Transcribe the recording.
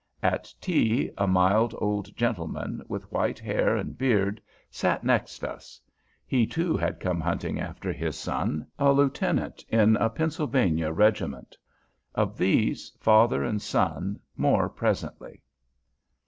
At tea, a mild old gentleman, with white hair and beard, sat next us. He, too, had come hunting after his son, a lieutenant in a Pennsylvania regiment. Of these, father and son, more presently.